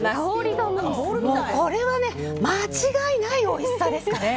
これはね間違いないおいしさですね。